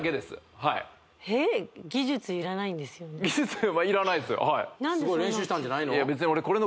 はいすごい練習したんじゃないの？